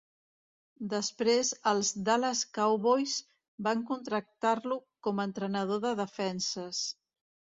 Després els Dallas Cowboys van contractar-lo com a entrenador de defenses.